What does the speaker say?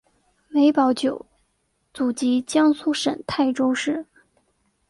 梅葆玖祖籍江苏省泰州市。